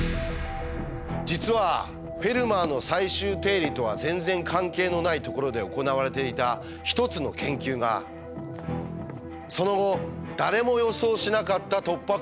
実は「フェルマーの最終定理」とは全然関係のないところで行われていた一つの研究がその後誰も予想しなかった突破口を開くことになるんです。